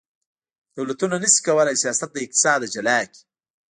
دولتونه نشي کولی سیاست له اقتصاد څخه جلا کړي